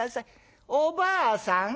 おばあさん